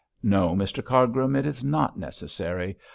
'No, Mr Cargrim, it is not necessary.